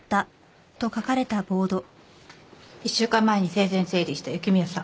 １週間前に生前整理した雪宮さん